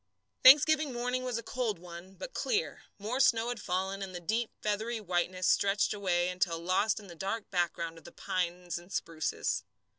Thanksgiving morning was a cold one, but clear. More snow had fallen, and the deep, feathery whiteness stretched away until lost in the dark background of the pines and spruces.